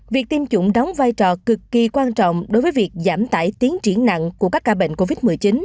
việc tiêm chủng đóng vai trò cực kỳ quan trọng đối với việc giảm tải tiến triển nặng của các ca bệnh covid một mươi chín